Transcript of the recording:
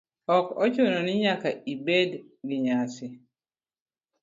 Ok ochuno ni nyaka ibed gi nyasi.